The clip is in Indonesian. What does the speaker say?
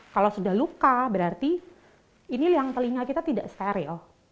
kalau sudah luka berarti ini liang telinga kita tidak steril